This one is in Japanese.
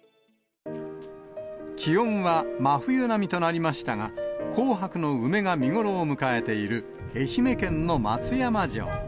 気温は真冬並みとなりましたが、紅白の梅が見頃を迎えている愛媛県の松山城。